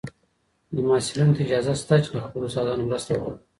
محصلینو ته اجازه شته چي له خپلو استادانو مرسته وغواړي.